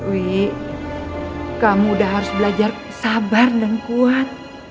wi kamu udah harus belajar sabar dan kuat